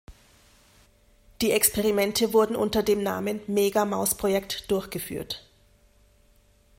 Die Experimente wurden unter dem Namen "Mega Maus Projekt" durchgeführt.